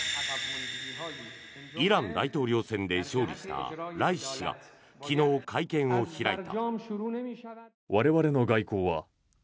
イラン大統領選で勝利したライシ師が昨日、会見を開いた。